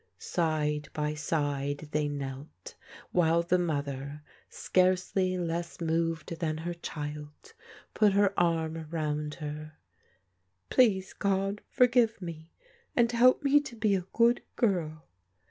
Side by side they knelt, while the mother, scarcely less moved than her child, put her arm round her. " Please, God, forgive me, and help me to be a good girl."